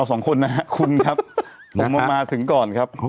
ขอขอบคุณให้ทุกคนเราสองคนนะครับคุณครับ